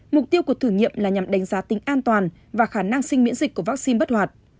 mục tiêu của thử nghiệm là nhằm đánh giá tính an toàn và khả năng sinh miễn dịch của vaccine bất hoạt